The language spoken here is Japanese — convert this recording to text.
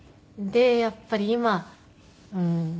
でやっぱり今７